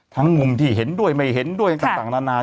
มุมที่เห็นด้วยไม่เห็นด้วยต่างนานา